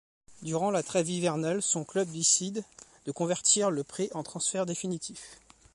Durant la trêve hivernale, son club décide de convertir le prêt en transfert définitif.